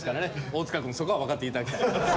大塚君そこは分かって頂きたい。